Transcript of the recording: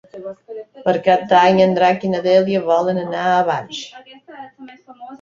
Per Cap d'Any en Drac i na Dèlia volen anar a Barx.